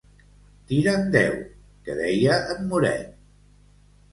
Tira'n deu, que deia en Moret.